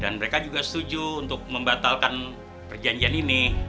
dan mereka juga setuju untuk membatalkan perjanjian ini